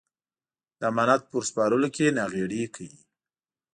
د امانت په ور سپارلو کې ناغېړي کوي.